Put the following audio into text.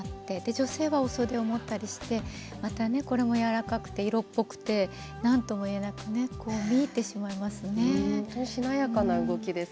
女性はお袖を持ったりしてまた、これもやわらかくて色っぽくてなんともいえなく見入ってしまいますね。